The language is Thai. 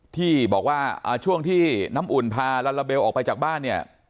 ที่บอกว่าช่วงที่น้ำอุ่นพาลาลาเบลออกไปจากบ้านเนี่ย